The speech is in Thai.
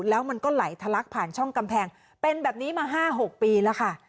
แล้วมันก็ไหลทะลักผ่านช่องกำแพงเป็นแบบนี้มา๕๖ปีแล้วค่ะ